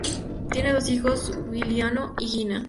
Tiene dos hijos: Giuliano y Gina.